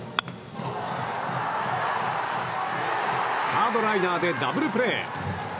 サードライナーでダブルプレー！